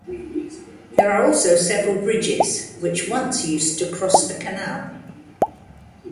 There are also several bridges, which once used to cross the canal.